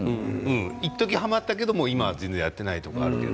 いっとき、はまったけど今は全然やっていないというのがあります。